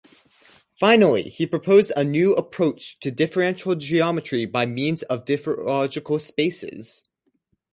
Finally, he proposed a new approach to differential geometry by means of diffeological spaces.